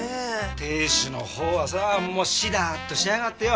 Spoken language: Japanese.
亭主の方はさもうシラーっとしやがってよ。